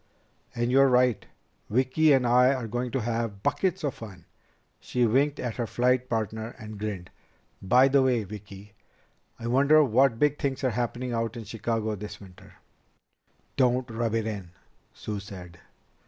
"And you're right. Vicki and I are going to have buckets of fun." She winked at her flight partner and grinned. "By the way, Vicki, I wonder what big things are happening out in Chicago this winter." "Don't rub it in," Sue said.